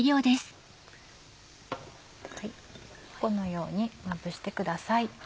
このようにまぶしてください。